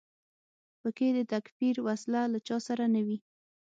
په کې د تکفیر وسله له چا سره نه وي.